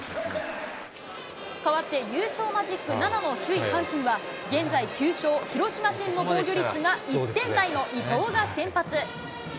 変わって、優勝マジック７の首位阪神は、現在９勝、広島戦の防御率が１点台の伊藤が先発。